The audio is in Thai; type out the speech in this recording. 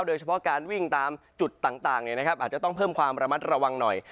โดยเฉพาะการวิ่งตามจุดต่างอาจจะต้องเพิ่มความระมัดระวังหน่อย